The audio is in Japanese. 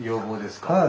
はい。